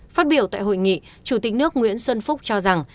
phát biểu tại hội nghị chủ tịch nước nguyễn xuân phúc cho rằng